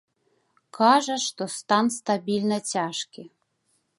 Кажа, што стан стабільна цяжкі.